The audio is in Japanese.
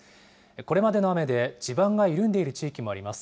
これまでの雨で地盤が緩んでいる地域もあります。